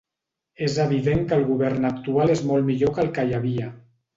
És evident que el govern actual és molt millor que el que hi havia.